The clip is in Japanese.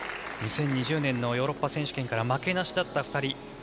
２０２０年のヨーロッパ選手権から負けなしだった２人。